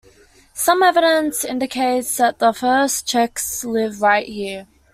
Some evidence indicates that the first Czechs lived right here.